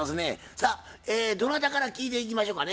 さあどなたから聞いていきましょかね？